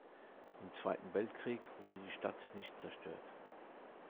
Im Zweiten Weltkrieg wurde die Stadt nicht zerstört.